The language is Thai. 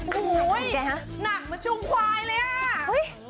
หนักมาชุมควายเลย